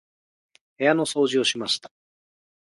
部屋の掃除をしました。